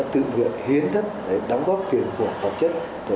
tự nguyện hiến thất để đóng góp tiền của tạo chất